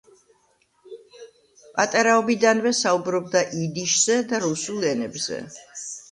პატარაობიდანვე საუბრობდა იდიშზე და რუსულ ენებზე.